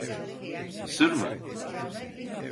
Sır mı?